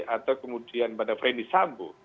atau kemudian kepada frendi sambo